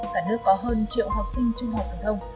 cả nước có hơn triệu học sinh trung học phổ thông